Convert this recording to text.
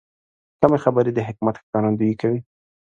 کمې خبرې، د حکمت ښکارندویي کوي.